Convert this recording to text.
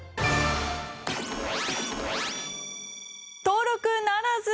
登録ならず！